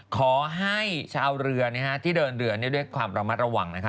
ขอให้ชาวเรือที่เดินเรือด้วยความระมัดระวังนะคะ